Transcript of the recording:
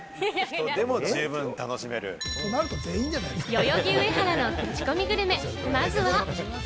代々木上原のクチコミグルメ、まずは。